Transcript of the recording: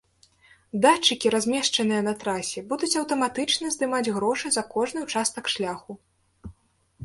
Датчыкі, размешчаныя на трасе, будуць аўтаматычна здымаць грошы за кожны ўчастак шляху.